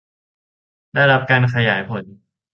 ได้รับการขยายผล